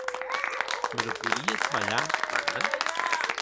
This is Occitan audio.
Me lo poiríetz balhar, pagant?